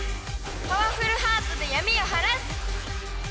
パワフルハートで闇を晴らす！